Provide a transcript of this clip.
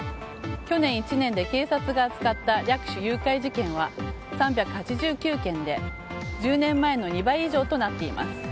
去年１年で警察が扱った略取・誘拐事件は３８９件で１０年前の２倍以上となっています。